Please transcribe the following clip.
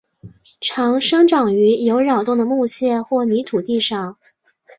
常生长于有扰动的木屑或泥土地上。